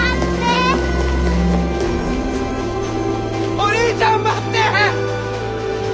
お兄ちゃん待って！